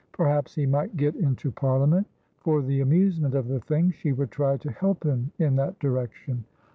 Perhaps he might get into Parliament; for the amusement of the thing, she would try to help him in that direction.